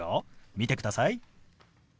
見てください。